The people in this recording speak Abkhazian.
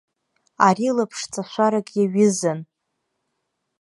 Ари лаԥшҵашәарак иаҩызан.